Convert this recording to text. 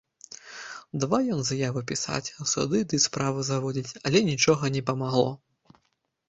Давай ён заявы пісаць, суды ды справы заводзіць, але нічога не памагло.